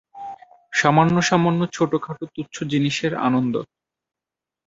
সামান্য, সামান্য ছোটখাটো তুচ্ছ জিনিসের আনন্দ!